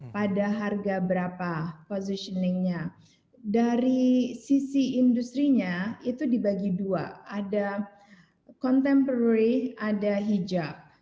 pada harga berapa positioningnya dari sisi industri nya itu dibagi dua ada contemporary ada hijab